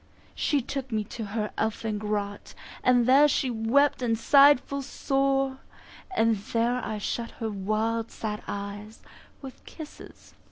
She took me to her elfin grot, And there she wept and sighed full sore, And there I shut her wild sad eyes With kisses four.